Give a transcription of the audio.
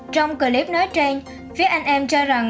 trong clip nói trên phía anh em cho rằng